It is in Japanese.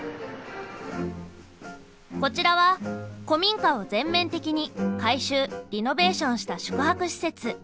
こちらは古民家を全面的に改修リノベーションした宿泊施設。